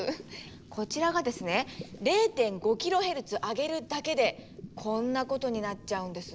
こちらがですね０．５キロヘルツ上げるだけでこんなことになっちゃうんです。